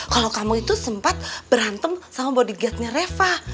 kalau kamu itu sempat berantem sama bodyguard nya reva